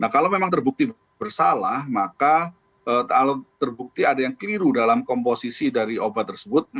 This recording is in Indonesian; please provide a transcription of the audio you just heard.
nah kalau memang terbukti bersalah maka terbukti ada yang keliru dalam komposisi dari obat tersebut